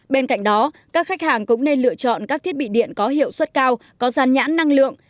bên cạnh đó các khách hàng cũng nên lựa chọn các thiết bị điện có hiệu suất cao có gian nhãn năng lượng